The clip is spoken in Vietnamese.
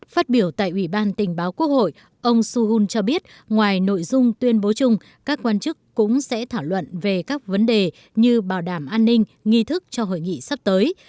phát biểu tại ủy ban tình báo quốc hội ông suhun cho biết ngoài nội dung tuyên bố chung các quan chức cũng sẽ thảo luận về các vấn đề như bảo đảm an ninh nghi thức cho hội nghị sắp tới